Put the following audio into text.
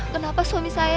kenapa suami saya